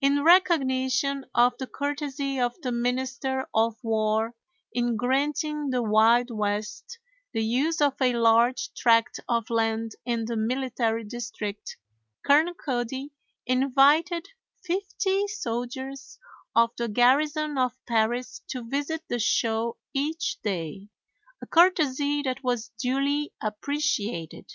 In recognition of the courtesy of the Minister of War in granting the Wild West the use of a large tract of land in the military district, Colonel Cody invited fifty soldiers of the garrison of Paris to visit the show each day, a courtesy that was duly appreciated.